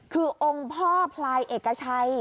คือองค์พ่อพลายเอกชัย